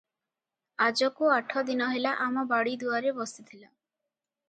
ଆଜକୁ ଆଠ ଦିନ ହେଲା ଆମ ବାଡ଼ି ଦୁଆରେ ବସିଥିଲା ।